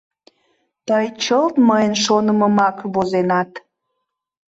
Тый чылт мыйын шонымымак возенат.